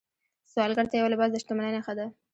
سوالګر ته یو لباس د شتمنۍ نښه ده